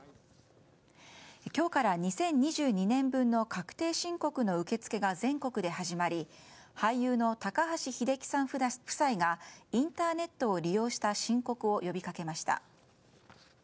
今日から２０２２年分の確定申告の受け付けが全国で始まり俳優の高橋英樹さん夫妻がインターネットを利用した申告を呼びかけました。